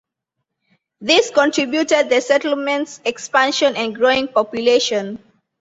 This contributed the settlement's expansion and growing population.